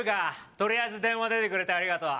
とりあえず電話出てくれてありがとう